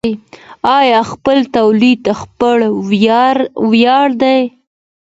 آیا خپل تولید خپل ویاړ دی؟